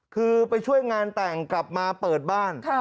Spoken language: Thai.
คือไปช่วยงานแต่งกลับมาเปิดบ้าน